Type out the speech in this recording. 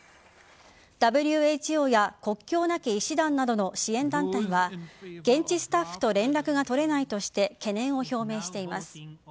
ＷＨＯや国境なき医師団などの支援団体は現地スタッフと連絡が取れないとして懸念を表明しています。